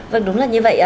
vâng đúng là như vậy